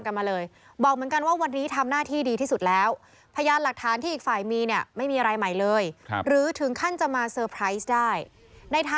ขอบคุณนะครับเดี๋ยวนี้จะได้ไปร้องเพลงต่อ